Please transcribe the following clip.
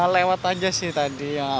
lewat aja sih tadi